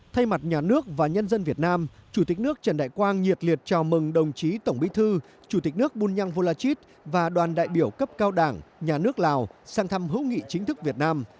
thay mặt nhà nước và nhân dân việt nam chủ tịch nước trần đại quang nhiệt liệt chào mừng đồng chí tổng bí thư chủ tịch nước bunyang volachit và đoàn đại biểu cấp cao đảng nhà nước lào sang thăm hữu nghị chính thức việt nam